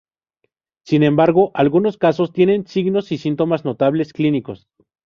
Sin embargo, algunos casos tienen signos y síntomas notables clínicos.